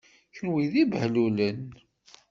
Kenwi d ibehlulen.